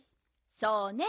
そうね。